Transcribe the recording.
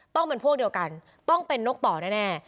ต้องเป็นพวกเดียวกันต้องเป็นนกต่อแน่